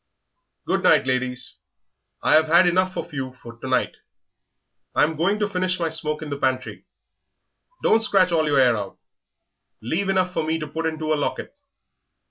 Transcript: "Good night, ladies, I have had enough of you for to night; I am going to finish my smoke in the pantry. Don't scratch all your 'air out; leave enough for me to put into a locket."